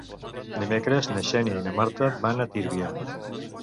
Dimecres na Xènia i na Marta van a Tírvia.